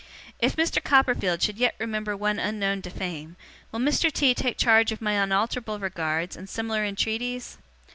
'If Mr. Copperfield should yet remember one unknown to fame, will Mr. T. take charge of my unalterable regards and similar entreaties?